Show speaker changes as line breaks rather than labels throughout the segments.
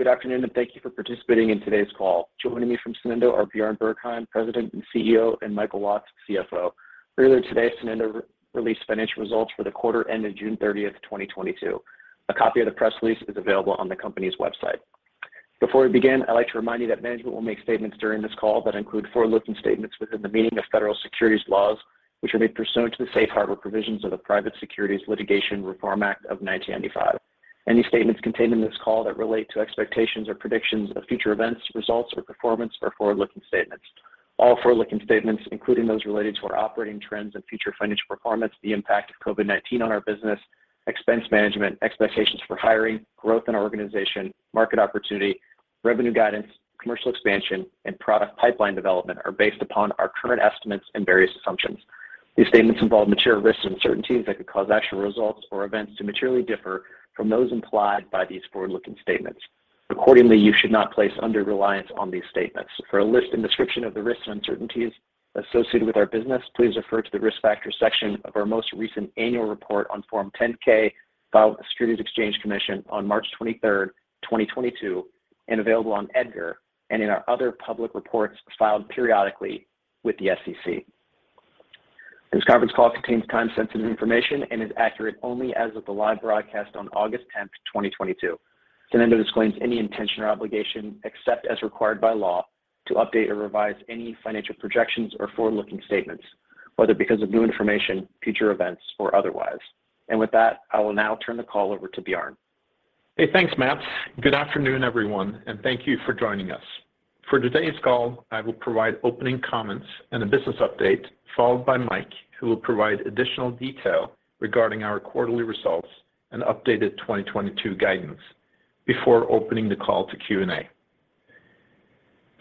Good afternoon, and thank you for participating in today's call. Joining me from Sonendo are Bjarne Bergheim, President and CEO, and Michael Watts, CFO. Earlier today, Sonendo released financial results for the quarter ending June 30th, 2022. A copy of the press release is available on the company's website. Before we begin, I'd like to remind you that management will make statements during this call that include forward-looking statements within the meaning of federal securities laws, which are made pursuant to the Safe Harbor provisions of the Private Securities Litigation Reform Act of 1995. Any statements contained in this call that relate to expectations or predictions of future events, results, or performance are forward-looking statements.
All forward-looking statements, including those related to our operating trends and future financial performance, the impact of COVID-19 on our business, expense management, expectations for hiring, growth in our organization, market opportunity, revenue guidance, commercial expansion, and product pipeline development, are based upon our current estimates and various assumptions. These statements involve material risks and uncertainties that could cause actual results or events to materially differ from those implied by these forward-looking statements. Accordingly, you should not place undue reliance on these statements. For a list and description of the risks and uncertainties associated with our business, please refer to the Risk Factors section of our most recent annual report on Form 10-K filed with the Securities and Exchange Commission on March 23rd, 2022, and available on EDGAR and in our other public reports filed periodically with the SEC. This conference call contains time-sensitive information and is accurate only as of the live broadcast on August 10th, 2022. Sonendo disclaims any intention or obligation, except as required by law, to update or revise any financial projections or forward-looking statements, whether because of new information, future events, or otherwise. With that, I will now turn the call over to Bjarne.
Hey, thanks, Operator. Good afternoon, everyone, and thank you for joining us. For today's call, I will provide opening comments and a business update, followed by Mike, who will provide additional detail regarding our quarterly results and updated 2022 guidance before opening the call to Q&A.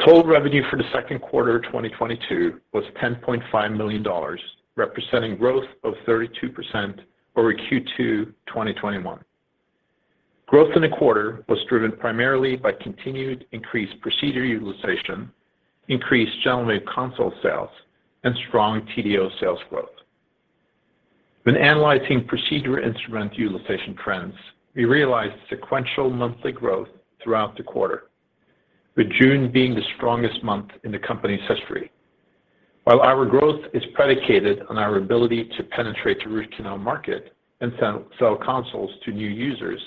Total revenue for the second quarter 2022 was $10.5 million, representing growth of 32% over Q2 2021. Growth in the quarter was driven primarily by continued increased procedure utilization, increased GentleWave console sales, and strong TDO sales growth. When analyzing procedure instrument utilization trends, we realized sequential monthly growth throughout the quarter, with June being the strongest month in the company's history. While our growth is predicated on our ability to penetrate the root canal market and sell consoles to new users,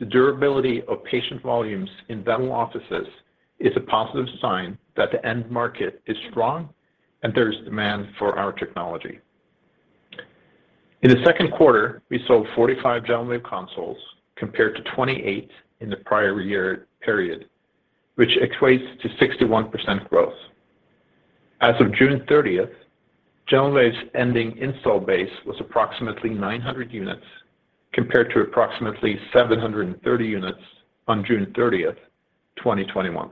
the durability of patient volumes in dental offices is a positive sign that the end market is strong and there is demand for our technology. In the second quarter, we sold 45 GentleWave consoles compared to 28 in the prior year period, which equates to 61% growth. As of June 30th, GentleWave's ending installed base was approximately 900 units compared to approximately 730 units on June 30th, 2021.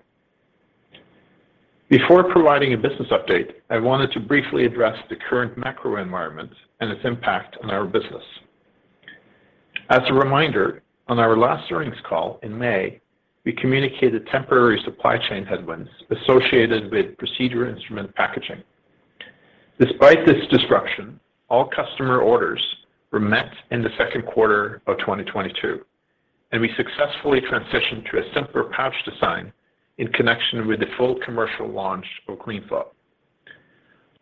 Before providing a business update, I wanted to briefly address the current macro environment and its impact on our business. As a reminder, on our last earnings call in May, we communicated temporary supply chain headwinds associated with procedure instrument packaging. Despite this disruption, all customer orders were met in the second quarter of 2022, and we successfully transitioned to a simpler pouch design in connection with the full commercial launch of CleanFlow.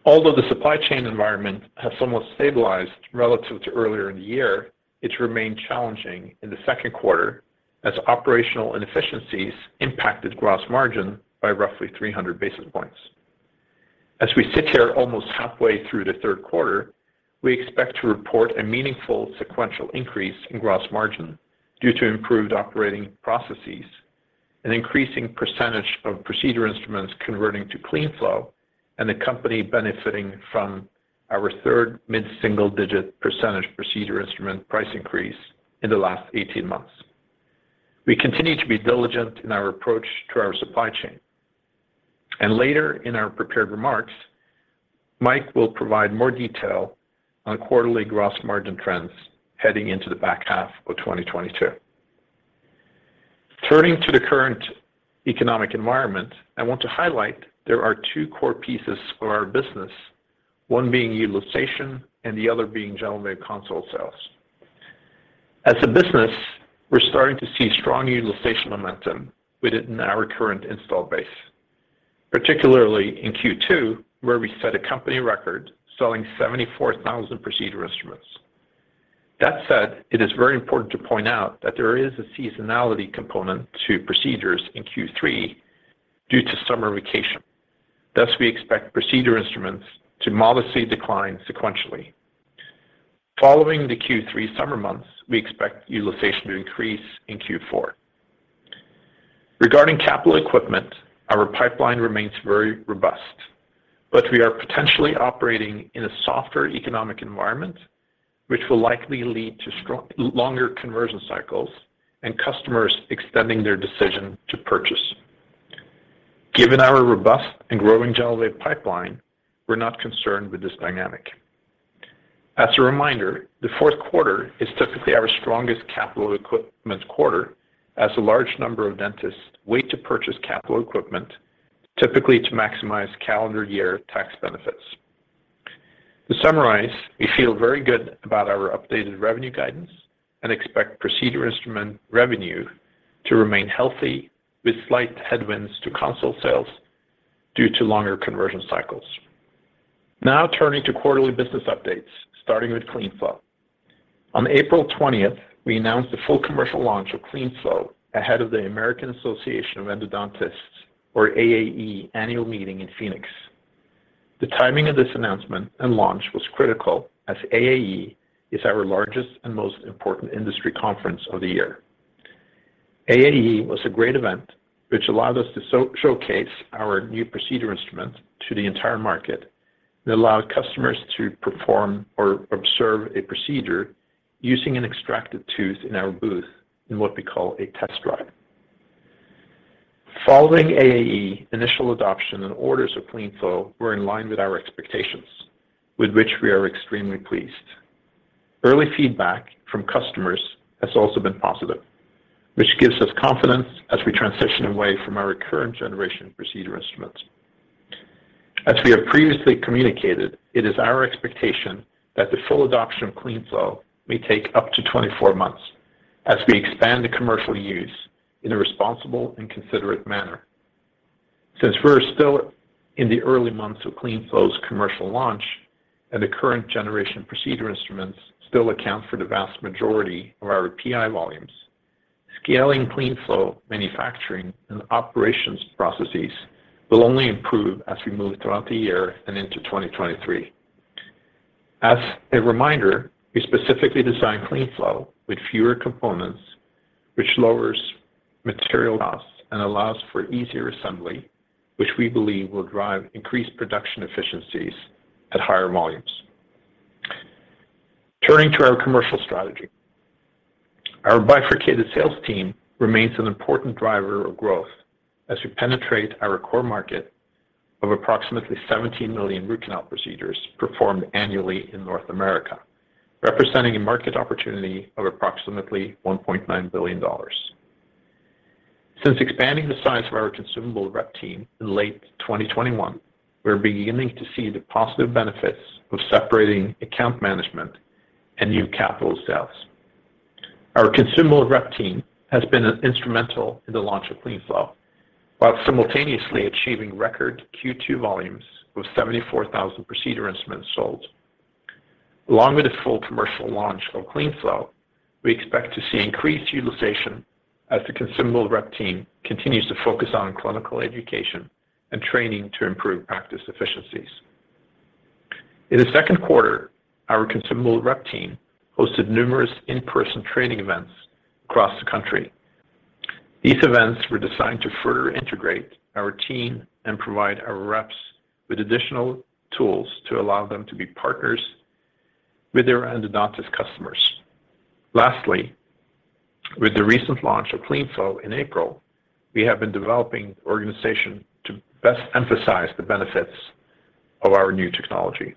Although the supply chain environment has somewhat stabilized relative to earlier in the year, it's remained challenging in the second quarter as operational inefficiencies impacted gross margin by roughly 300 basis points. As we sit here almost halfway through the third quarter, we expect to report a meaningful sequential increase in gross margin due to improved operating processes, an increasing percentage of procedure instruments converting to CleanFlow, and the company benefiting from our third mid-single digit percentage procedure instrument price increase in the last 18 months. We continue to be diligent in our approach to our supply chain. Later in our prepared remarks, Mike will provide more detail on quarterly gross margin trends heading into the back half of 2022. Turning to the current economic environment, I want to highlight there are two core pieces of our business, one being utilization and the other being GentleWave console sales. As a business, we're starting to see strong utilization momentum within our current install base, particularly in Q2, where we set a company record selling 74,000 procedure instruments. That said, it is very important to point out that there is a seasonality component to procedures in Q3 due to summer vacation. Thus, we expect procedure instruments to modestly decline sequentially. Following the Q3 summer months, we expect utilization to increase in Q4. Regarding capital equipment, our pipeline remains very robust, but we are potentially operating in a softer economic environment, which will likely lead to longer conversion cycles and customers extending their decision to purchase. Given our robust and growing GentleWave pipeline, we're not concerned with this dynamic. As a reminder, the fourth quarter is typically our strongest capital equipment quarter as a large number of dentists wait to purchase capital equipment, typically to maximize calendar year tax benefits. To summarize, we feel very good about our updated revenue guidance and expect procedure instrument revenue to remain healthy with slight headwinds to console sales due to longer conversion cycles. Now turning to quarterly business updates, starting with CleanFlow. On April 20th, we announced the full commercial launch of CleanFlow ahead of the American Association of Endodontists, or AAE annual meeting in Phoenix. The timing of this announcement and launch was critical as AAE is our largest and most important industry conference of the year. AAE was a great event which allowed us to showcase our new procedure instruments to the entire market, that allowed customers to perform or observe a procedure using an extracted tooth in our booth in what we call a test drive. Following AAE, initial adoption and orders of CleanFlow were in line with our expectations, with which we are extremely pleased. Early feedback from customers has also been positive, which gives us confidence as we transition away from our current generation procedure instruments. As we have previously communicated, it is our expectation that the full adoption of CleanFlow may take up to 24 months as we expand the commercial use in a responsible and considerate manner. Since we're still in the early months of CleanFlow's commercial launch and the current generation procedure instruments still account for the vast majority of our PI volumes, scaling CleanFlow manufacturing and operations processes will only improve as we move throughout the year and into 2023. As a reminder, we specifically designed CleanFlow with fewer components, which lowers material costs and allows for easier assembly, which we believe will drive increased production efficiencies at higher volumes. Turning to our commercial strategy. Our bifurcated sales team remains an important driver of growth as we penetrate our core market of approximately 17 million root canal procedures performed annually in North America, representing a market opportunity of approximately $1.9 billion. Since expanding the size of our consumable rep team in late 2021, we're beginning to see the positive benefits of separating account management and new capital sales. Our consumable rep team has been instrumental in the launch of CleanFlow while simultaneously achieving record Q2 volumes of 74,000 procedure instruments sold. Along with the full commercial launch of CleanFlow, we expect to see increased utilization as the consumable rep team continues to focus on clinical education and training to improve practice efficiencies. In the second quarter, our consumable rep team hosted numerous in-person training events across the country. These events were designed to further integrate our team and provide our reps with additional tools to allow them to be partners with their endodontist customers. Lastly, with the recent launch of CleanFlow in April, we have been developing the organization to best emphasize the benefits of our new technology.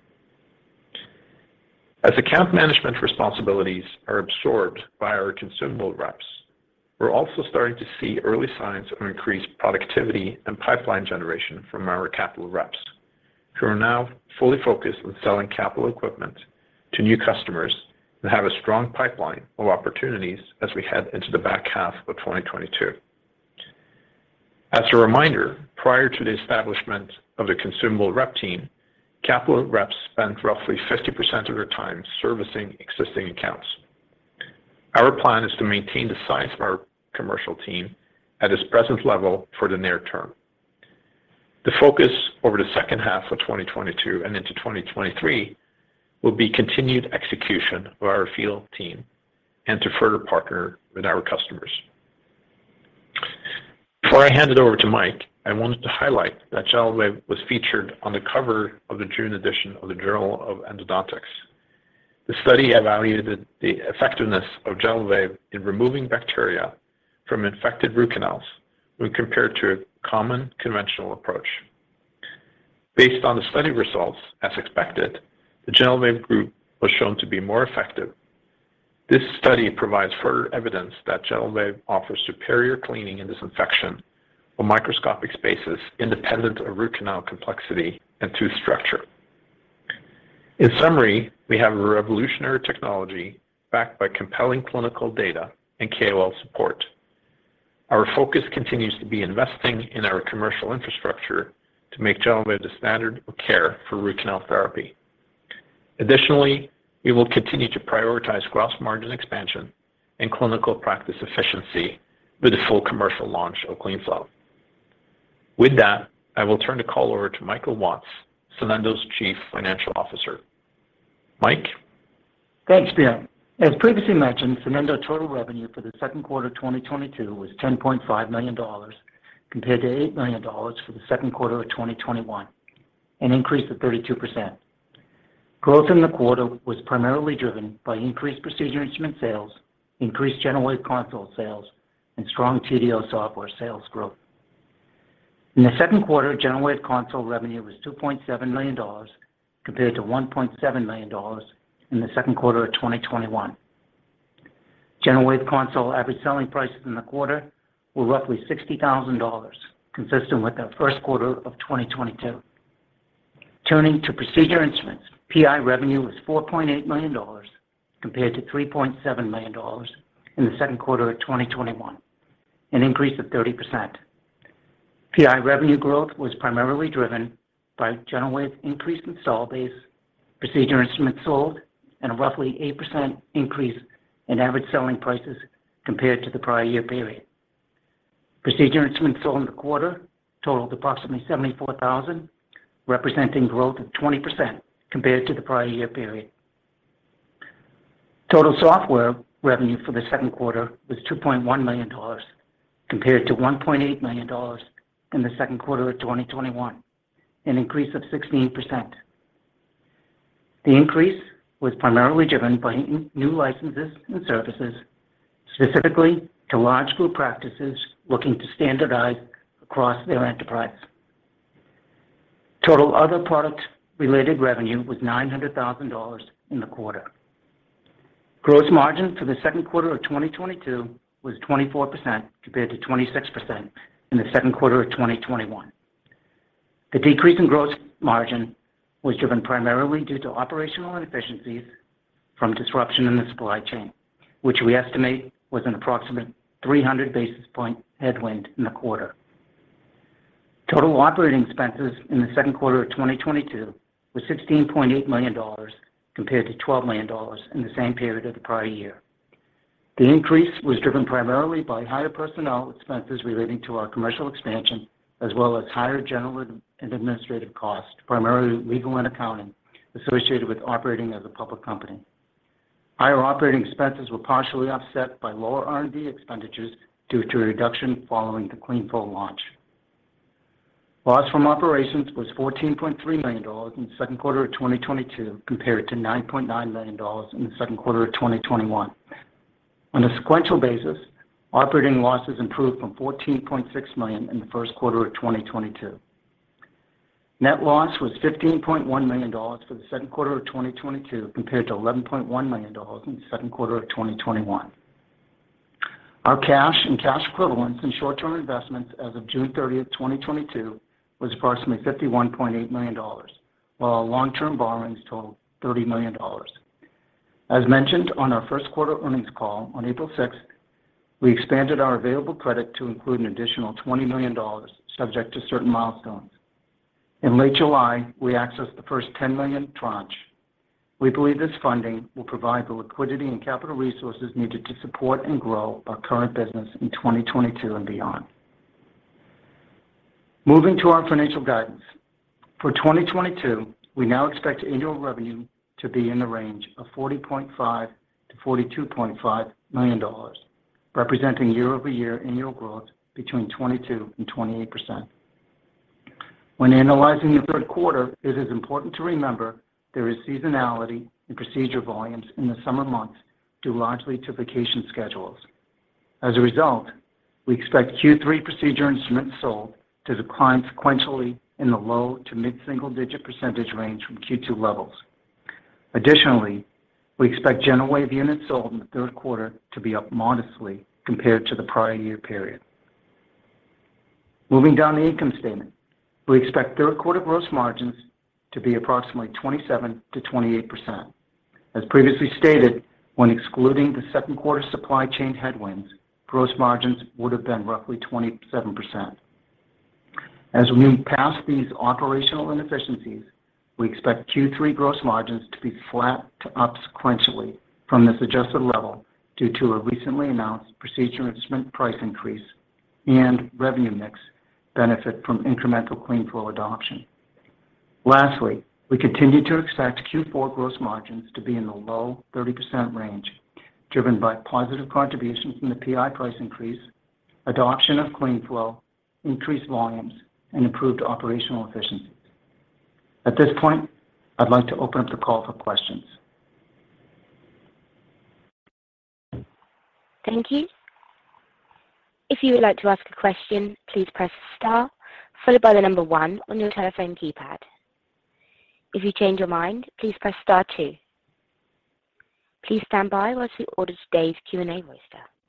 As account management responsibilities are absorbed by our consumable reps, we're also starting to see early signs of increased productivity and pipeline generation from our capital reps, who are now fully focused on selling capital equipment to new customers that have a strong pipeline of opportunities as we head into the back half of 2022. As a reminder, prior to the establishment of the consumable rep team, capital reps spent roughly 50% of their time servicing existing accounts. Our plan is to maintain the size of our commercial team at its present level for the near term. The focus over the second half of 2022 and into 2023 will be continued execution of our field team and to further partner with our customers. Before I hand it over to Mike, I wanted to highlight that GentleWave was featured on the cover of the June edition of the Journal of Endodontics. The study evaluated the effectiveness of GentleWave in removing bacteria from infected root canals when compared to a common conventional approach. Based on the study results, as expected, the GentleWave group was shown to be more effective. This study provides further evidence that GentleWave offers superior cleaning and disinfection for microscopic spaces independent of root canal complexity and tooth structure. In summary, we have a revolutionary technology backed by compelling clinical data and KOL support. Our focus continues to be investing in our commercial infrastructure to make GentleWave the standard of care for root canal therapy. Additionally, we will continue to prioritize gross margin expansion and clinical practice efficiency with the full commercial launch of CleanFlow. With that, I will turn the call over to Michael Watts, Sonendo's Chief Financial Officer. Mike?
Thanks, Bill. As previously mentioned, Sonendo total revenue for the second quarter of 2022 was $10.5 million compared to $8 million for the second quarter of 2021, an increase of 32%. Growth in the quarter was primarily driven by increased procedure instrument sales, increased GentleWave console sales, and strong TDO software sales growth. In the second quarter, GentleWave console revenue was $2.7 million compared to $1.7 million in the second quarter of 2021. GentleWave console average selling prices in the quarter were roughly $60,000, consistent with our first quarter of 2022. Turning to procedure instruments, PI revenue was $4.8 million compared to $3.7 million in the second quarter of 2021, an increase of 30%. PI revenue growth was primarily driven by GentleWave's increased install base, procedure instruments sold, and a roughly 8% increase in average selling prices compared to the prior year period. Procedure instruments sold in the quarter totaled approximately 74,000, representing growth of 20% compared to the prior year period. Total software revenue for the second quarter was $2.1 million, compared to $1.8 million in the second quarter of 2021, an increase of 16%. The increase was primarily driven by new licenses and services, specifically to large group practices looking to standardize across their enterprise. Total other product-related revenue was $900,000 in the quarter. Gross margin for the second quarter of 2022 was 24% compared to 26% in the second quarter of 2021. The decrease in gross margin was driven primarily due to operational inefficiencies from disruption in the supply chain, which we estimate was an approximate 300 basis point headwind in the quarter. Total operating expenses in the second quarter of 2022 was $16.8 million compared to $12 million in the same period of the prior year. The increase was driven primarily by higher personnel expenses relating to our commercial expansion, as well as higher general and administrative costs, primarily legal and accounting, associated with operating as a public company. Higher operating expenses were partially offset by lower R&D expenditures due to a reduction following the CleanFlow launch. Loss from operations was $14.3 million in the second quarter of 2022 compared to $9.9 million in the second quarter of 2021. On a sequential basis, operating losses improved from $14.6 million in the first quarter of 2022. Net loss was $15.1 million for the second quarter of 2022 compared to $11.1 million in the second quarter of 2021. Our cash and cash equivalents and short-term investments as of June 30, 2022 was approximately $51.8 million, while our long-term borrowings totaled $30 million. As mentioned on our first quarter earnings call on April 6, we expanded our available credit to include an additional $20 million subject to certain milestones. In late July, we accessed the first $10 million tranche. We believe this funding will provide the liquidity and capital resources needed to support and grow our current business in 2022 and beyond. Moving to our financial guidance. For 2022, we now expect annual revenue to be in the range of $40.5 million-$42.5 million, representing year-over-year annual growth between 22% and 28%. When analyzing the third quarter, it is important to remember there is seasonality in procedure volumes in the summer months due largely to vacation schedules. As a result, we expect Q3 procedure instruments sold to decline sequentially in the low- to mid-single-digit percentage range from Q2 levels. Additionally, we expect GentleWave units sold in the third quarter to be up modestly compared to the prior year period. Moving down the income statement, we expect third quarter gross margins to be approximately 27%-28%. As previously stated, when excluding the second quarter supply chain headwinds, gross margins would have been roughly 27%. As we pass these operational inefficiencies, we expect Q3 gross margins to be flat to up sequentially from this adjusted level due to a recently announced procedure instrument price increase and revenue mix benefit from incremental CleanFlow adoption. Lastly, we continue to expect Q4 gross margins to be in the low 30% range, driven by positive contributions from the PI price increase, adoption of CleanFlow, increased volumes, and improved operational efficiencies. At this point, I'd like to open up the call for questions.
Thank you. If you would like to ask a question, please press star followed by 1 on your telephone keypad. If you change your mind, please press star two. Please stand by while we order today's Q&A roster. We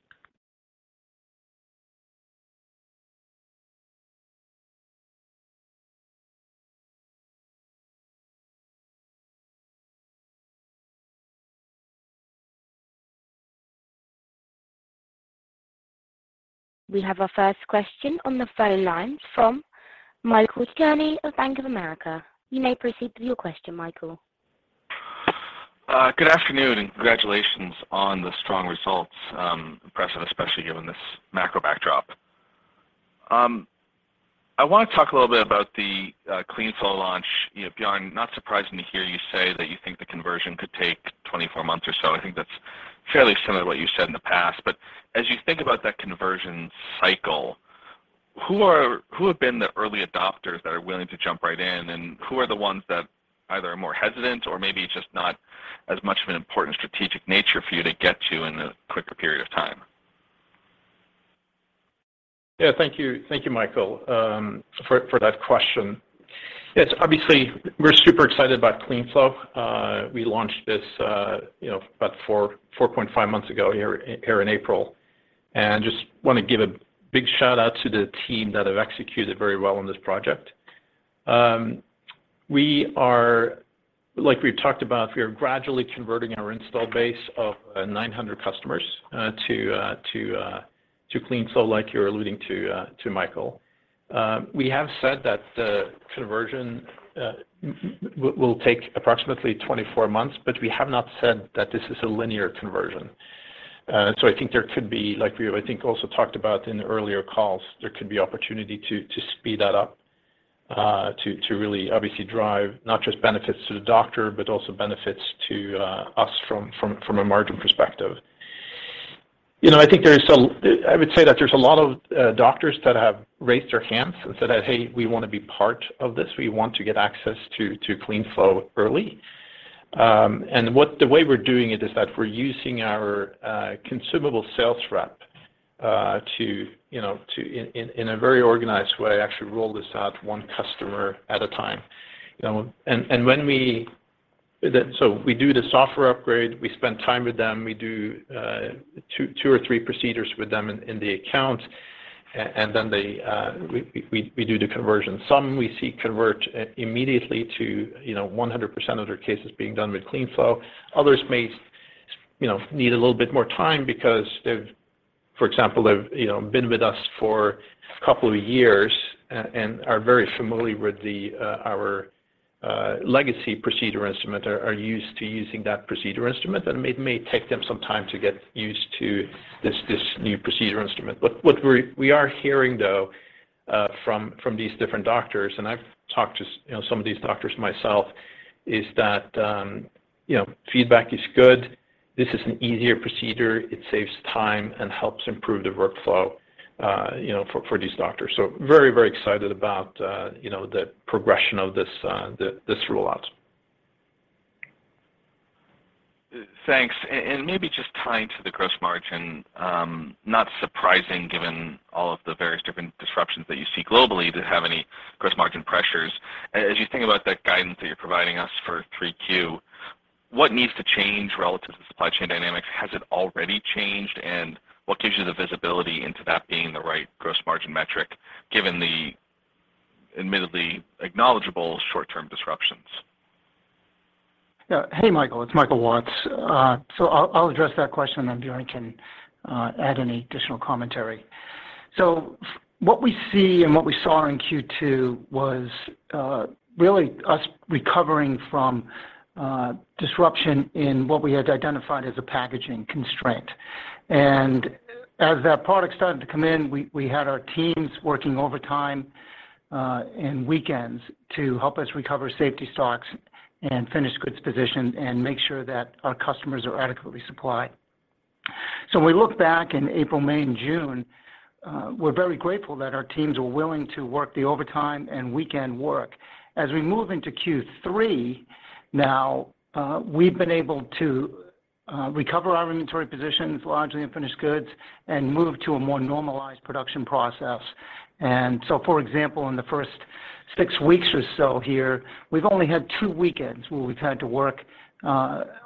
have our first question on the phone line from Michael Sarcone of Bank of America. You may proceed with your question, Michael.
Good afternoon, and congratulations on the strong results. Impressive, especially given this macro backdrop. I want to talk a little bit about the CleanFlow launch. You know, Bjarne, not surprising to hear you say that you think the conversion could take 24 months or so. I think that's fairly similar to what you said in the past. As you think about that conversion cycle, who have been the early adopters that are willing to jump right in, and who are the ones that either are more hesitant or maybe just not as much of an important strategic nature for you to get to in a quicker period of time?
Yeah, thank you. Thank you, Michael, for that question. Yes, obviously, we're super excited about CleanFlow. We launched this, you know, about 4.5 months ago in April. Just wanna give a big shout-out to the team that have executed very well on this project. Like we've talked about, we are gradually converting our install base of 900 customers to CleanFlow, like you're alluding to, Michael. We have said that the conversion will take approximately 24 months, but we have not said that this is a linear conversion. I think there could be, like, we also talked about in the earlier calls, there could be opportunity to speed that up, to really obviously drive not just benefits to the doctor, but also benefits to us from a margin perspective. You know, I would say that there's a lot of doctors that have raised their hands and said that, "Hey, we wanna be part of this. We want to get access to CleanFlow early." The way we're doing it is that we're using our consumable sales rep to, you know, in a very organized way, actually roll this out one customer at a time. You know, and when we, so we do the software upgrade, we spend time with them, we do two or three procedures with them in the account, and then we do the conversion. Some we see convert immediately to, you know, 100% of their cases being done with CleanFlow. Others may, you know, need a little bit more time because they've, for example, been with us for a couple of years and are very familiar with our legacy procedure instrument, are used to using that procedure instrument, and it may take them some time to get used to this new procedure instrument. What we're hearing, though, from these different doctors, and I've talked to, you know, some of these doctors myself, is that, you know, feedback is good. This is an easier procedure. It saves time and helps improve the workflow, you know, for these doctors. Very, very excited about, you know, the progression of this rollout.
Thanks. Maybe just tying to the gross margin, not surprising given all of the various different disruptions that you see globally to have any gross margin pressures. As you think about that guidance that you're providing us for 3Q, what needs to change relative to supply chain dynamics? Has it already changed? What gives you the visibility into that being the right gross margin metric, given the admittedly acknowledged short-term disruptions?
Yeah. Hey, Michael. It's Michael Watts. I'll address that question, and Bjarne can add any additional commentary. What we see and what we saw in Q2 was really us recovering from disruption in what we had identified as a packaging constraint. As that product started to come in, we had our teams working overtime and weekends to help us recover safety stocks and finished goods position and make sure that our customers are adequately supplied. We look back in April, May, and June. We're very grateful that our teams were willing to work the overtime and weekend work. As we move into Q3 now, we've been able to recover our inventory positions, largely in finished goods, and move to a more normalized production process. For example, in the first six weeks or so here, we've only had two weekends where we've had to work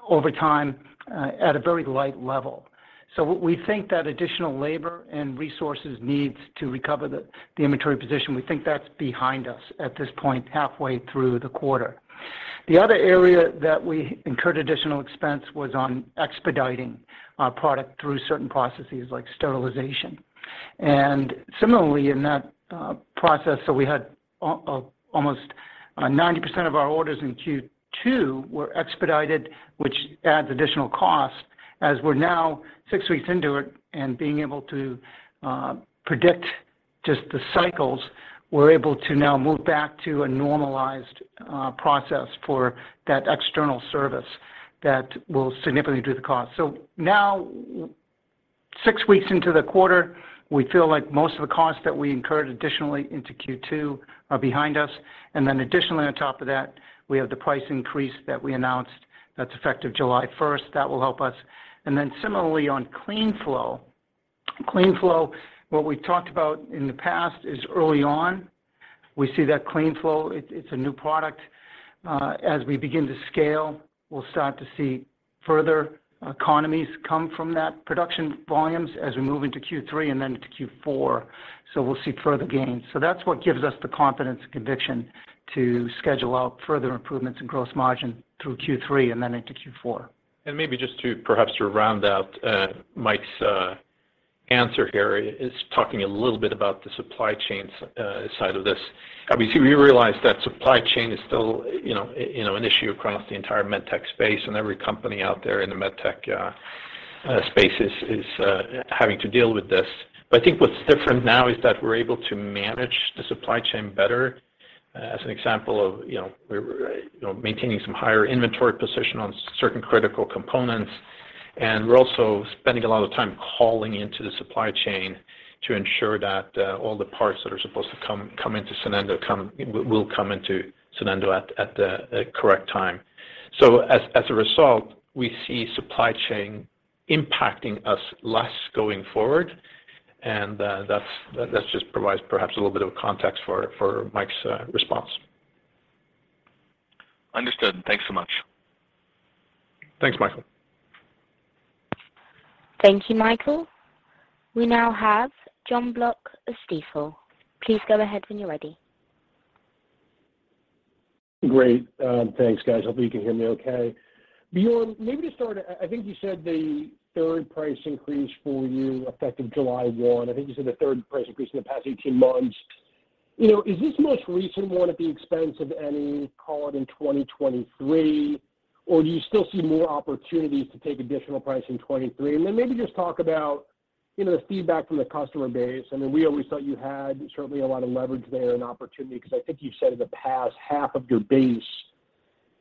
overtime at a very light level. We think that additional labor and resources needs to recover the inventory position. We think that's behind us at this point, halfway through the quarter. The other area that we incurred additional expense was on expediting our product through certain processes like sterilization. Similarly, in that process, we had almost 90% of our orders in Q2 were expedited, which adds additional cost. As we're now six weeks into it and being able to predict just the cycles, we're able to now move back to a normalized process for that external service that will significantly reduce cost. Now six weeks into the quarter, we feel like most of the costs that we incurred additionally into Q2 are behind us. Then additionally on top of that, we have the price increase that we announced that's effective July first. That will help us. Then similarly on CleanFlow. CleanFlow, what we talked about in the past is early on, we see that CleanFlow, it's a new product. As we begin to scale, we'll start to see further economies come from that production volumes as we move into Q3 and then to Q4. We'll see further gains. That's what gives us the confidence and conviction to schedule out further improvements in gross margin through Q3 and then into Q4.
Maybe just to perhaps round out Mike's answer here is talking a little bit about the supply chain side of this. I mean, we realize that supply chain is still, you know, an issue across the entire med tech space and every company out there in the med tech space is having to deal with this. But I think what's different now is that we're able to manage the supply chain better. As an example of, you know, we're maintaining some higher inventory position on certain critical components, and we're also spending a lot of time calling into the supply chain to ensure that all the parts that are supposed to come come into Sonendo will come into Sonendo at the correct time. As a result, we see supply chain impacting us less going forward, and that just provides perhaps a little bit of context for Mike's response.
Understood. Thanks so much.
Thanks, Michael.
Thank you, Michael. We now have Jon Block of Stifel. Please go ahead when you're ready.
Great. Thanks guys. Hopefully you can hear me okay. Bjarne, maybe to start, I think you said the third price increase for you effective July 1. I think you said the third price increase in the past 18 months. You know, is this most recent one at the expense of any call it in 2023? Or do you still see more opportunities to take additional price in 2023? Maybe just talk about, you know, the feedback from the customer base. I mean, we always thought you had certainly a lot of leverage there and opportunity because I think you've said in the past, half of your base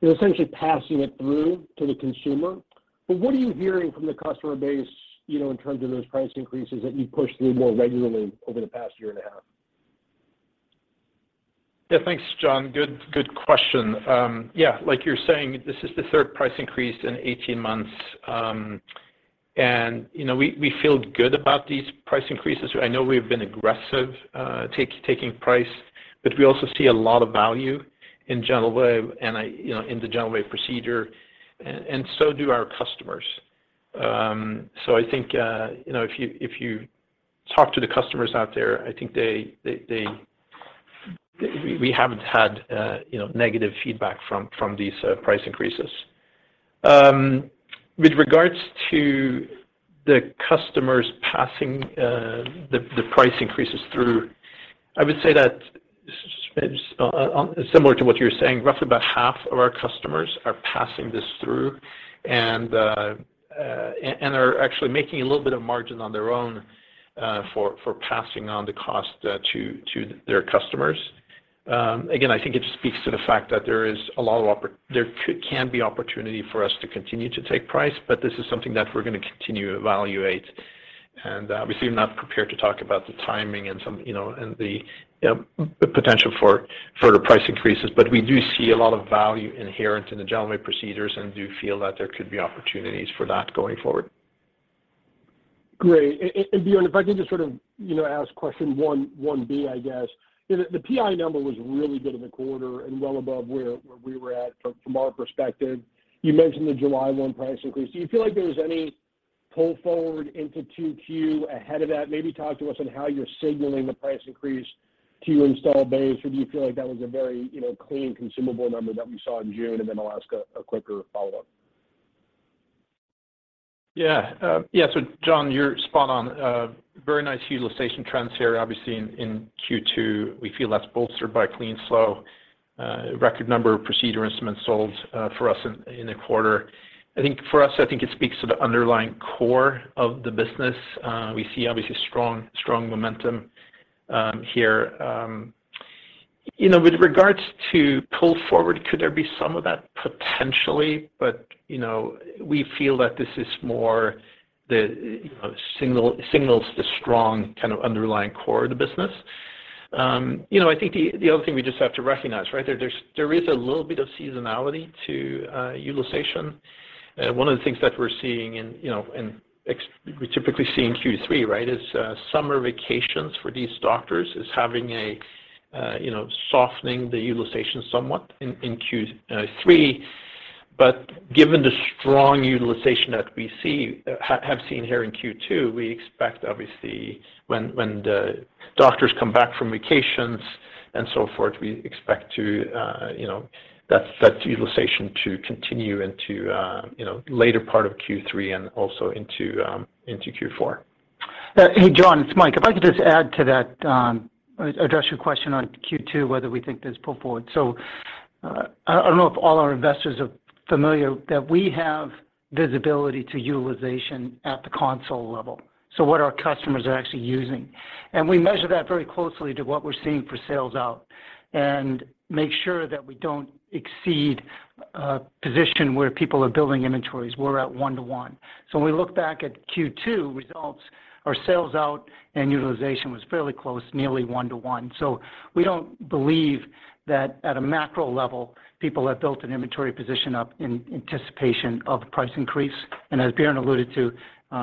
is essentially passing it through to the consumer. What are you hearing from the customer base, you know, in terms of those price increases that you've pushed through more regularly over the past year and a half?
Yeah. Thanks, Jon. Good question. Yeah, like you're saying, this is the third price increase in 18 months. You know, we feel good about these price increases. I know we've been aggressive, taking price, but we also see a lot of value in GentleWave and, you know, in the GentleWave Procedure, and so do our customers. I think, you know, if you talk to the customers out there, I think they, we haven't had, you know, negative feedback from these price increases. With regards to the customers passing the price increases through, I would say that similar to what you're saying, roughly about half of our customers are passing this through, and are actually making a little bit of margin on their own for passing on the cost to their customers. Again, I think it just speaks to the fact that there could be opportunity for us to continue to take price, but this is something that we're gonna continue to evaluate. Obviously, I'm not prepared to talk about the timing and some, you know, and the, you know, the potential for further price increases. We do see a lot of value inherent in the GentleWave Procedures and do feel that there could be opportunities for that going forward.
Great. Bjarne, if I can just sort of, you know, ask question 1B, I guess. You know, the PI number was really good in the quarter and well above where we were at from our perspective. You mentioned the July 1 price increase. Do you feel like there was any pull forward into 2Q ahead of that? Maybe talk to us on how you're signaling the price increase to your installed base, or do you feel like that was a very, you know, clean consumable number that we saw in June? I'll ask a quicker follow-up.
Yeah. Yeah. Jon, you're spot on. A very nice utilization trends here. Obviously, in Q2, we feel that's bolstered by CleanFlow, record number of procedure instruments sold, for us in the quarter. I think it speaks to the underlying core of the business. We see obviously strong momentum here. You know, with regards to pull forward, could there be some of that potentially, but, you know, we feel that this is more the, you know, signals the strong kind of underlying core of the business. You know, I think the other thing we just have to recognize, right, there is a little bit of seasonality to utilization. One of the things that we're seeing and, you know, we typically see in Q3, right, is summer vacations for these doctors is having a you know softening the utilization somewhat in Q3. Given the strong utilization that we see, have seen here in Q2, we expect obviously when the doctors come back from vacations and so forth, we expect to that utilization to continue into later part of Q3 and also into Q4.
Hey, Jon, it's Mike. If I could just add to that, address your question on Q2, whether we think there's pull forward. I don't know if all our investors are familiar that we have visibility to utilization at the console level. What our customers are actually using. We measure that very closely to what we're seeing for sales out and make sure that we don't exceed position where people are building inventories. We're at one-to-one. When we look back at Q2 results, our sales out and utilization was fairly close, nearly one-to-one. We don't believe that at a macro level, people have built an inventory position up in anticipation of the price increase. As Bjarne alluded to,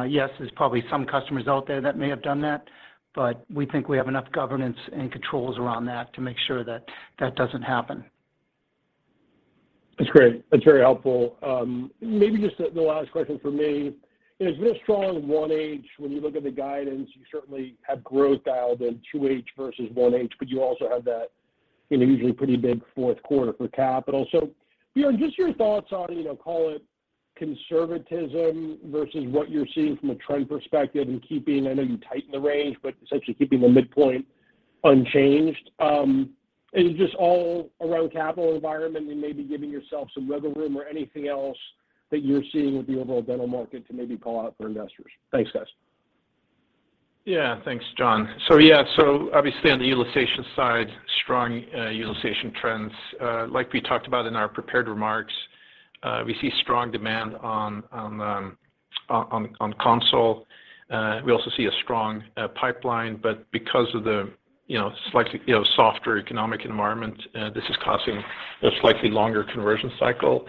yes, there's probably some customers out there that may have done that, but we think we have enough governance and controls around that to make sure that that doesn't happen.
That's great. That's very helpful. Maybe just the last question from me. You know, it's a real strong one when you look at the guidance, you certainly have growth dialed in 2H versus 1H, but you also have that, you know, usually pretty big fourth quarter for CapEx. Bjarne, just your thoughts on, you know, call it conservatism versus what you're seeing from a trend perspective and keeping, I know you tighten the range, but essentially keeping the midpoint unchanged. Is it just all around CapEx environment and maybe giving yourself some wiggle room or anything else that you're seeing with the overall dental market to maybe call out for investors? Thanks, guys.
Yeah. Thanks, Jon. Yeah, so obviously on the utilization side, strong utilization trends, like we talked about in our prepared remarks. We see strong demand on console. We also see a strong pipeline, but because of the slightly softer economic environment, this is causing a slightly longer conversion cycle.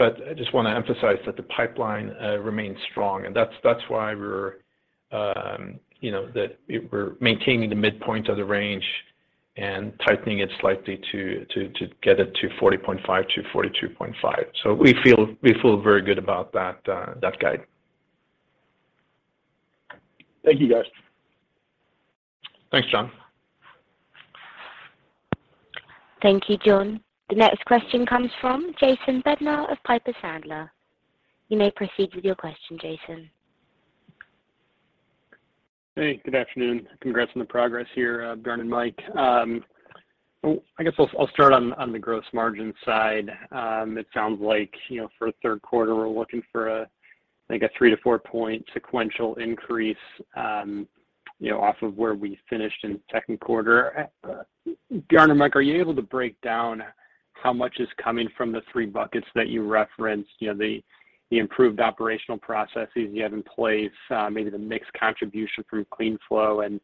I just want to emphasize that the pipeline remains strong, and that's why we're maintaining the midpoint of the range and tightening it slightly to get it to $40.5-$42.5. We feel very good about that guide.
Thank you, guys.
Thanks, Jon.
Thank you, Jon. The next question comes from Jason Bednar of Piper Sandler. You may proceed with your question, Jason.
Hey, good afternoon. Congrats on the progress here, Bjarne and Mike. Well, I guess I'll start on the gross margin side. It sounds like, you know, for a third quarter, we're looking for, I think, a three to four point sequential increase, you know, off of where we finished in the second quarter. Bjarne and Mike, are you able to break down how much is coming from the three buckets that you referenced? You know, the improved operational processes you have in place, maybe the mix contribution through CleanFlow and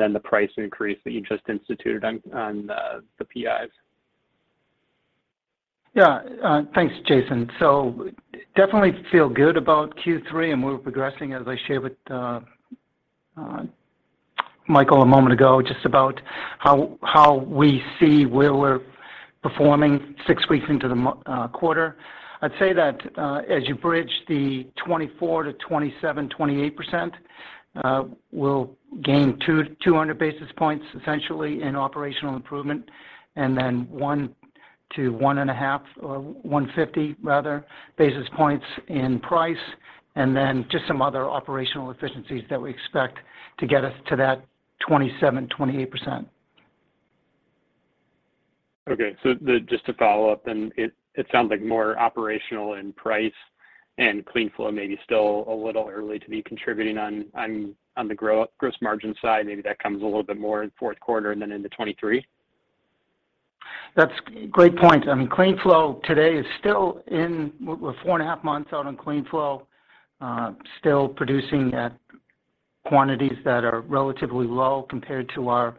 then the price increase that you just instituted on the PIs?
Yeah. Thanks, Jason. Definitely feel good about Q3, and we're progressing as I shared with Michael a moment ago, just about how we see where we're performing six weeks into the quarter. I'd say that, as you bridge the 24% to 27%, 28%, we'll gain 2-200 basis points essentially in operational improvement and then 1-1.5 or 150 rather basis points in price, and then just some other operational efficiencies that we expect to get us to that 27%-28%.
Just to follow up, it sounds like more operational and pricing, and CleanFlow may be still a little early to be contributing on the growth gross margin side. Maybe that comes a little bit more in fourth quarter and then into 2023.
That's great point. I mean, CleanFlow today is still. We're four and a half months out on CleanFlow, still producing at quantities that are relatively low compared to our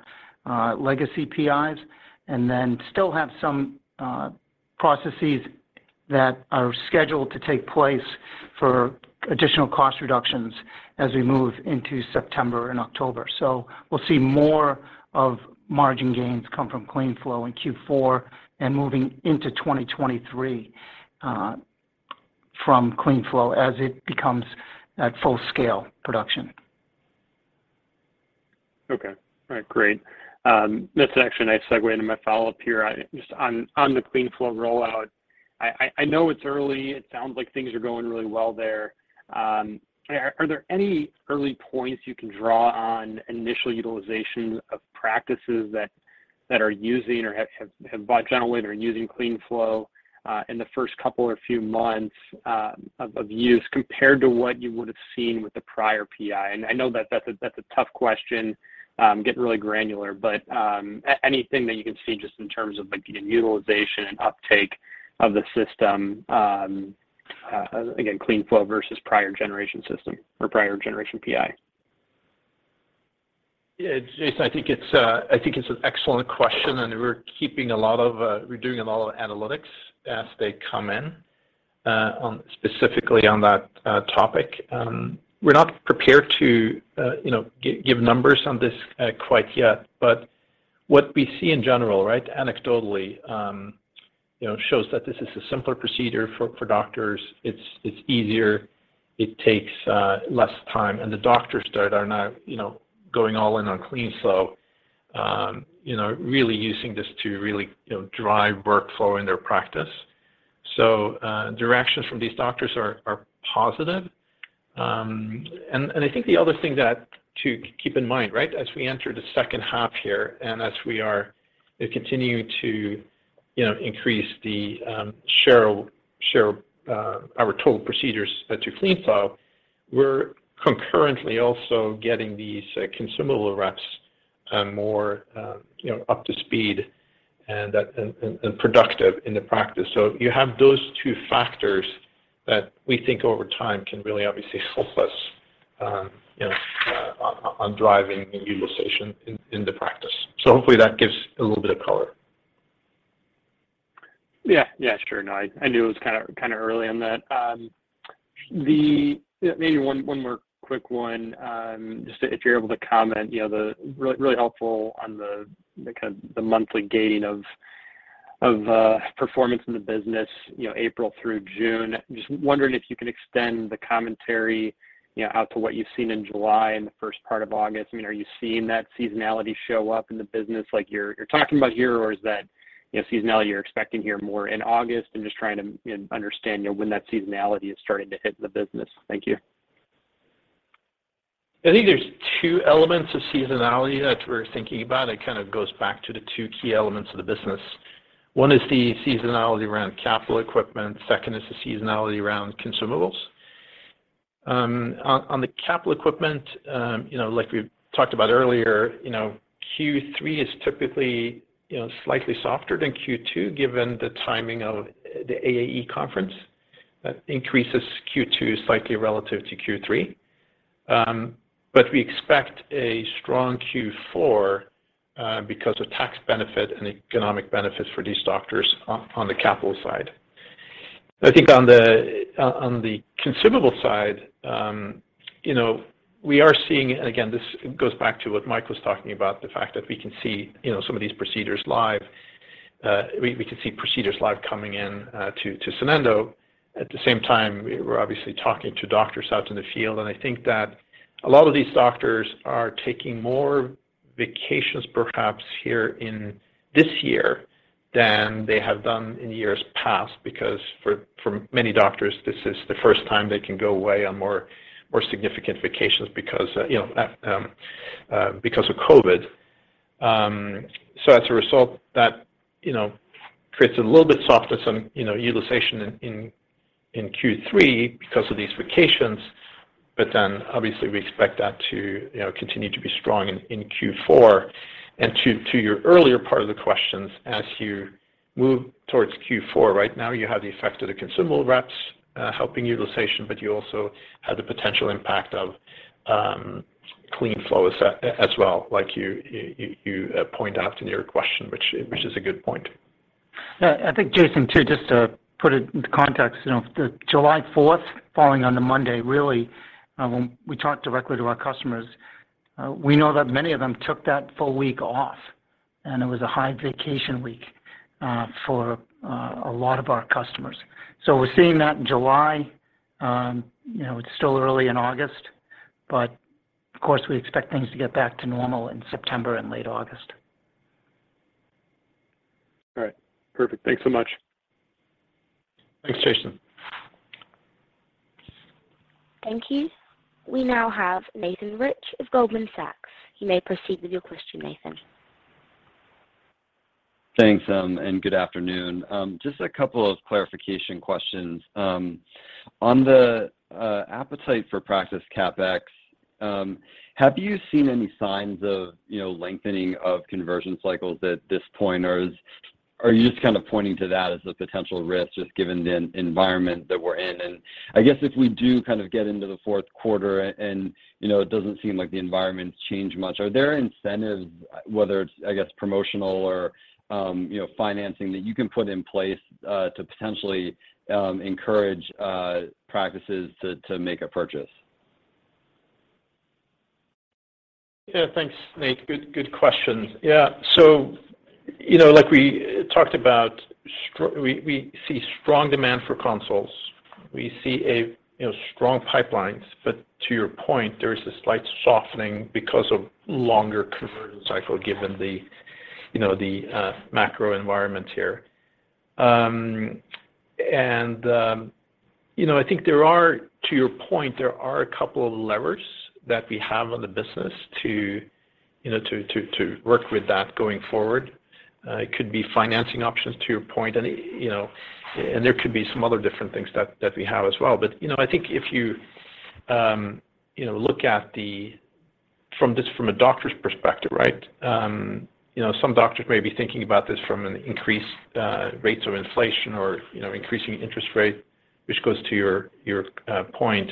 legacy PIs, and then still have some processes that are scheduled to take place for additional cost reductions as we move into September and October. We'll see more of margin gains come from CleanFlow in Q4 and moving into 2023 from CleanFlow as it becomes at full scale production.
Okay. All right. Great. That's actually a nice segue into my follow-up here. I just on the CleanFlow rollout, I know it's early. It sounds like things are going really well there. Are there any early points you can draw on initial utilization of practices that are using or have bought generally and are using CleanFlow in the first couple or few months of use compared to what you would have seen with the prior PI? I know that that's a tough question, getting really granular, but anything that you can see just in terms of like utilization and uptake of the system, again, CleanFlow versus prior generation system or prior generation PI.
Yeah. Jason, I think it's an excellent question, and we're doing a lot of analytics as they come in on specifically on that topic. We're not prepared to, you know, give numbers on this quite yet. What we see in general, right, anecdotally, you know, shows that this is a simpler procedure for doctors. It's easier, it takes less time, and the doctors that are now, you know, going all in on CleanFlow, you know, really using this to really drive workflow in their practice. Directions from these doctors are positive. I think the other thing that to keep in mind, right? As we enter the second half here, and as we are continuing to you know increase the share our total procedures to CleanFlow, we're concurrently also getting these consumable reps more you know up to speed and productive in the practice. You have those two factors that we think over time can really obviously help us you know on driving utilization in the practice. Hopefully that gives a little bit of color.
Yeah. Yeah, sure. No, I knew it was kinda early on that. Maybe one more quick one. Just if you're able to comment, you know, that's really helpful on the kind of the monthly gain of performance in the business, you know, April through June. Just wondering if you can extend the commentary, you know, out to what you've seen in July and the first part of August. I mean, are you seeing that seasonality show up in the business like you're talking about here, or is that, you know, seasonality you're expecting here more in August? I'm just trying to, you know, understand, you know, when that seasonality is starting to hit the business. Thank you.
I think there's two elements of seasonality that we're thinking about. It kind of goes back to the two key elements of the business. One is the seasonality around capital equipment, second is the seasonality around consumables. On the capital equipment, you know, like we talked about earlier, you know, Q3 is typically, you know, slightly softer than Q2, given the timing of the AAE conference increases Q2 slightly relative to Q3. But we expect a strong Q4, because of tax benefit and economic benefits for these doctors on the capital side. I think on the consumable side, you know, we are seeing, and again, this goes back to what Mike was talking about, the fact that we can see, you know, some of these procedures live. We can see procedures live coming in to Sonendo. At the same time, we're obviously talking to doctors out in the field, and I think that a lot of these doctors are taking more vacations perhaps here in this year than they have done in years past, because for many doctors, this is the first time they can go away on more significant vacations because of COVID. As a result, that, you know, creates a little bit softer, some utilization in Q3 because of these vacations. Obviously we expect that to, you know, continue to be strong in Q4. And to your earlier part of the questions, as you move towards Q4, right now you have the effect of the consumable reps helping utilization, but you also have the potential impact of CleanFlow as well, like you pointed out in your question, which is a good point.
Yeah. I think, Jason, too, just to put it into context, you know, the July 4th falling on a Monday, really, when we talked directly to our customers, we know that many of them took that full week off, and it was a high vacation week, for a lot of our customers. We're seeing that in July. You know, it's still early in August, but of course, we expect things to get back to normal in September and late August.
All right. Perfect. Thanks so much.
Thanks, Jason.
Thank you. We now have Nathan Rich of Goldman Sachs. You may proceed with your question, Nathan.
Thanks, and good afternoon. Just a couple of clarification questions. On the appetite for practice CapEx, have you seen any signs of, you know, lengthening of conversion cycles at this point, or are you just kind of pointing to that as a potential risk, just given the environment that we're in? I guess if we do kind of get into the fourth quarter and, you know, it doesn't seem like the environment's changed much, are there incentives, whether it's, I guess, promotional or, you know, financing that you can put in place, to potentially encourage practices to make a purchase?
Yeah. Thanks, Nate. Good questions. Yeah. So, you know, like we talked about, we see strong demand for consoles. We see, you know, strong pipelines. But to your point, there is a slight softening because of longer conversion cycle given the, you know, the macro environment here. You know, I think there are, to your point, a couple of levers that we have on the business to, you know, to work with that going forward. It could be financing options to your point, and there could be some other different things that we have as well. But, you know, I think if you know, look at this from a doctor's perspective, right? You know, some doctors may be thinking about this from an increased rates of inflation or, you know, increasing interest rate, which goes to your point,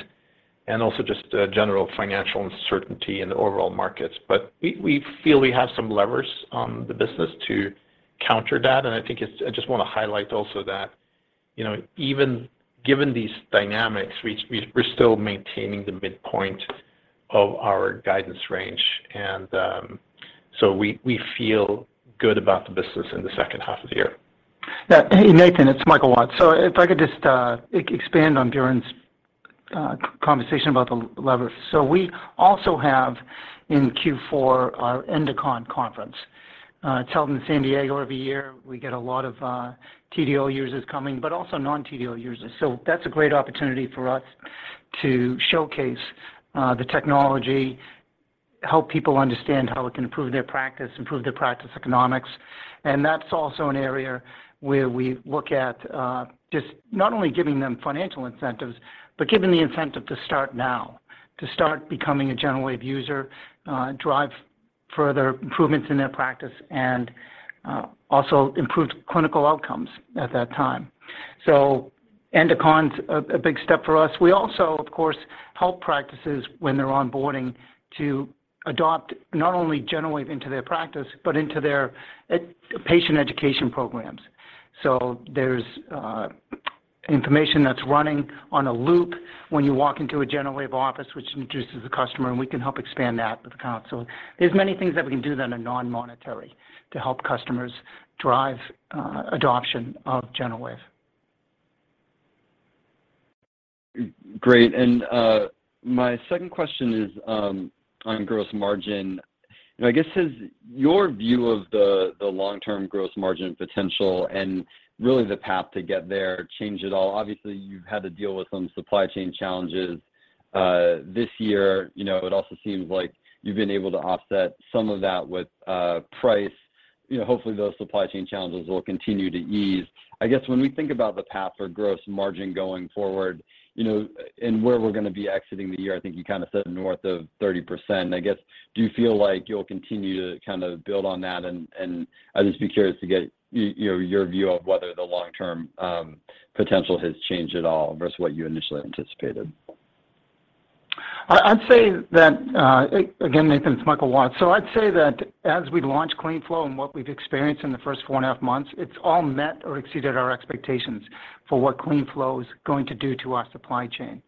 and also just general financial uncertainty in the overall markets. We feel we have some levers on the business to counter that, and I think it's. I just wanna highlight also that, you know, even given these dynamics, we're still maintaining the midpoint of our guidance range. We feel good about the business in the second half of the year.
Yeah. Hey, Nathan, it's Michael Watts. If I could just expand on Bjarne's conversation about the levers. We also have in Q4 our EndoCon conference. It's held in San Diego every year. We get a lot of TDO users coming, but also non-TDO users. That's a great opportunity for us to showcase the technology, help people understand how it can improve their practice, improve their practice economics. That's also an area where we look at just not only giving them financial incentives, but giving the incentive to start now, to start becoming a GentleWave user, drive further improvements in their practice and also improved clinical outcomes at that time. EndoCon's a big step for us. We also, of course, help practices when they're onboarding to adopt not only GentleWave into their practice, but into their patient education programs. There's information that's running on a loop when you walk into a GentleWave office, which introduces the customer, and we can help expand that with accounts. There's many things that we can do that are non-monetary to help customers drive adoption of GentleWave.
Great. My second question is on gross margin. You know, I guess has your view of the long-term gross margin potential and really the path to get there changed at all? Obviously, you've had to deal with some supply chain challenges this year. You know, it also seems like you've been able to offset some of that with price. You know, hopefully those supply chain challenges will continue to ease. I guess when we think about the path for gross margin going forward, you know, and where we're gonna be exiting the year, I think you kinda said north of 30%. I guess, do you feel like you'll continue to kind of build on that? And I'd just be curious to get your view of whether the long-term potential has changed at all versus what you initially anticipated.
I'd say that, again, Nathan, it's Michael Watts. I'd say that as we launch CleanFlow and what we've experienced in the first four and a half months, it's all met or exceeded our expectations for what CleanFlow is going to do to our supply chain.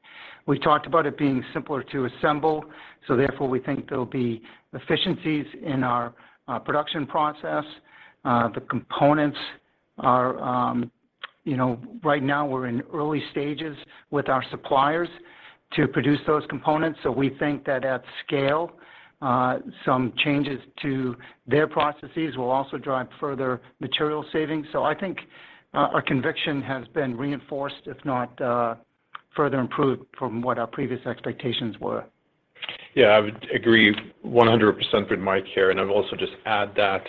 We talked about it being simpler to assemble, so therefore, we think there'll be efficiencies in our production process. The components are. You know, right now we're in early stages with our suppliers to produce those components. We think that at scale, some changes to their processes will also drive further material savings. I think our conviction has been reinforced, if not, further improved from what our previous expectations were.
Yeah, I would agree 100% with Mike here. I'd also just add that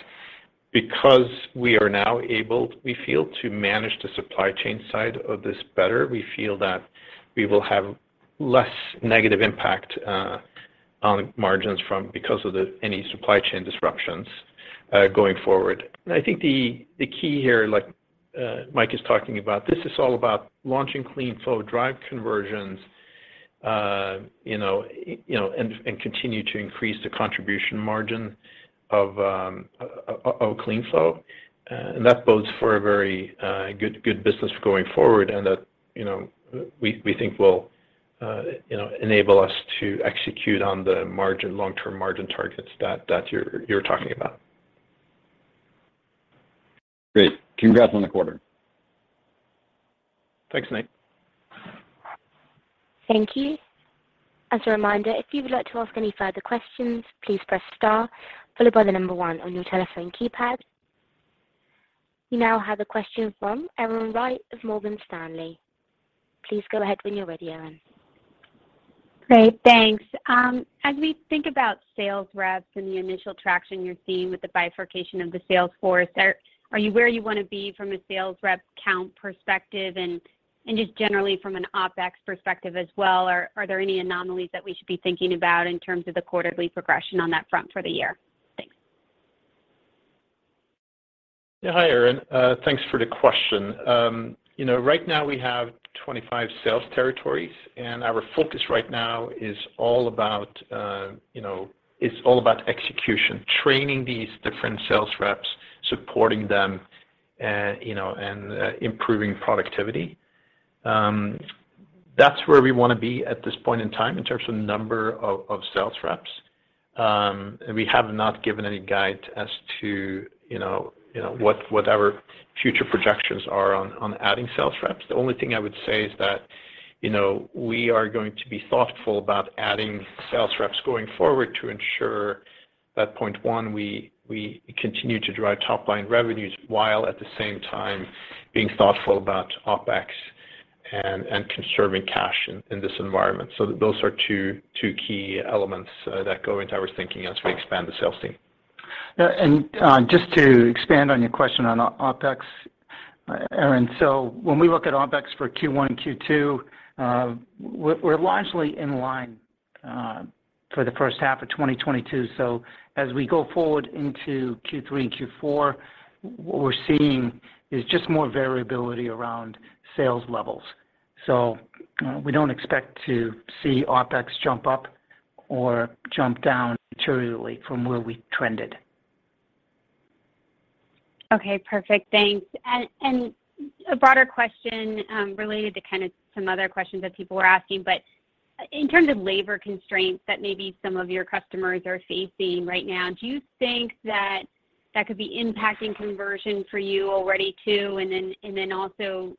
because we are now able, we feel, to manage the supply chain side of this better, we feel that we will have less negative impact on margins because of any supply chain disruptions going forward. I think the key here, like Mike is talking about, this is all about launching CleanFlow drive conversions, you know, and continue to increase the contribution margin of CleanFlow. That bodes for a very good business going forward and that, you know, we think will enable us to execute on the margin, long-term margin targets that you're talking about.
Great. Congrats on the quarter.
Thanks, Nate.
Thank you. As a reminder, if you would like to ask any further questions, please press star followed by the number one on your telephone keypad. We now have a question from Erin Wright of Morgan Stanley. Please go ahead when you're ready, Erin.
Great, thanks. As we think about sales reps and the initial traction you're seeing with the bifurcation of the sales force, are you where you wanna be from a sales rep count perspective and just generally from an OpEx perspective as well? Are there any anomalies that we should be thinking about in terms of the quarterly progression on that front for the year? Thanks.
Yeah. Hi, Erin. Thanks for the question. You know, right now we have 25 sales territories, and our focus right now is all about, you know, it's all about execution. Training these different sales reps, supporting them, and improving productivity. That's where we wanna be at this point in time in terms of number of sales reps. We have not given any guide as to, you know, what our future projections are on adding sales reps. The only thing I would say is that, you know, we are going to be thoughtful about adding sales reps going forward to ensure that point one, we continue to drive top-line revenues while at the same time being thoughtful about OpEx and conserving cash in this environment. Those are two key elements that go into our thinking as we expand the sales team.
Yeah. Just to expand on your question on OpEx, Erin. When we look at OpEx for Q1, Q2, we're largely in line for the first half of 2022. As we go forward into Q3 and Q4, what we're seeing is just more variability around sales levels. We don't expect to see OpEx jump up or jump down materially from where we trended.
Okay, perfect. Thanks. A broader question, related to kind of some other questions that people were asking, but in terms of labor constraints that maybe some of your customers are facing right now, do you think that could be impacting conversion for you already too? Then also,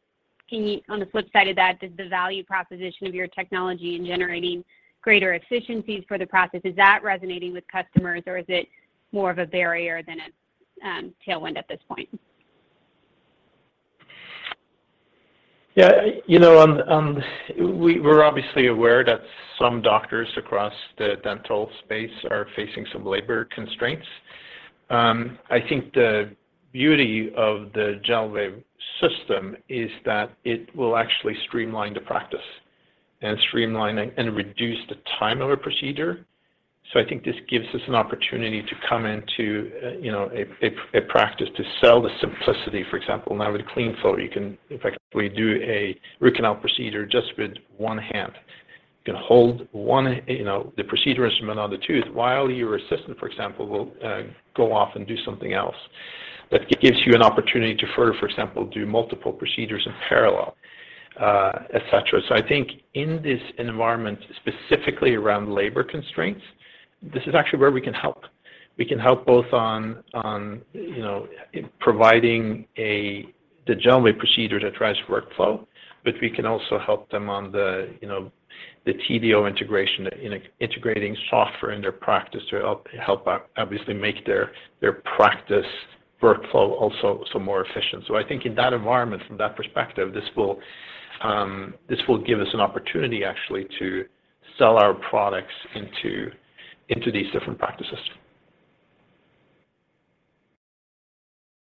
on the flip side of that, does the value proposition of your technology in generating greater efficiencies for the process, is that resonating with customers or is it more of a barrier than a tailwind at this point?
Yeah. You know, we're obviously aware that some doctors across the dental space are facing some labor constraints. I think the beauty of the GentleWave System is that it will actually streamline the practice and streamline and reduce the time of a procedure. I think this gives us an opportunity to come into, you know, a practice to sell the simplicity. For example, now with CleanFlow, you can effectively do a root canal procedure just with one hand. You can hold, you know, the procedure instrument on the tooth while your assistant, for example, will go off and do something else. That gives you an opportunity to further, for example, do multiple procedures in parallel, et cetera. I think in this environment, specifically around labor constraints, this is actually where we can help. We can help both on you know, providing the GentleWave procedure that drives workflow, but we can also help them on the you know, the TDO integration, in integrating software in their practice to help obviously make their practice workflow also so much more efficient. I think in that environment, from that perspective, this will give us an opportunity, actually, to sell our products into these different practices.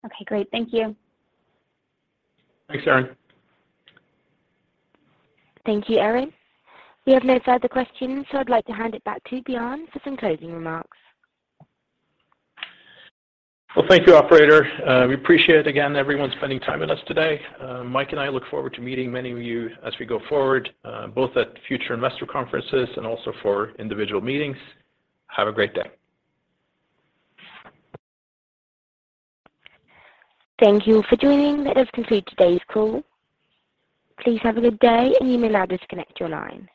Okay, great. Thank you.
Thanks, Erin.
Thank you, Erin. We have no further questions, so I'd like to hand it back to Bjarne for some closing remarks.
Well, thank you, operator. We appreciate, again, everyone spending time with us today. Mike and I look forward to meeting many of you as we go forward, both at future investor conferences and also for individual meetings. Have a great day.
Thank you for joining. That does conclude today's call. Please have a good day, and you may now disconnect your line.